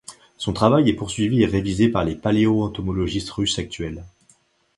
Son travail est poursuivi et révisé par les paléoentomologistes russes actuels.